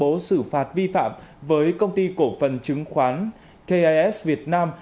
công bố xử phạt vi phạm với công ty cổ phần chứng khoán kis việt nam